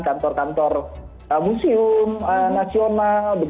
kantor kantor museum nasional